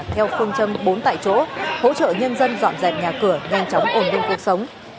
theo phương châm bốn tại chỗ hỗ trợ nhân dân dọn dẹp nhà cửa nhanh chóng ổn định cuộc sống